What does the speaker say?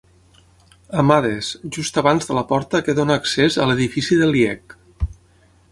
Amades, just abans de la porta que dona accés a l'edifici de l'IEC.